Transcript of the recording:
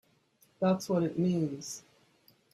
That's what it means!